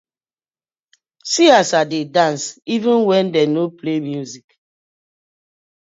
See as I dey dance even wen dem no play music.